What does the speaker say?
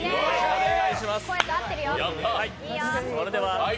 いいね、声と合ってるよ。